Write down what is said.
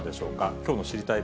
きょうの知りたいッ！